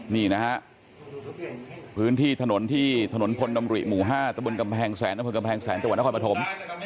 นี่นะฮะพื้นที่ถนนที่ถนนพลดำริหมู่๕ตะบนกำแพงแสนอำเภอกำแพงแสนจังหวัดนครปฐม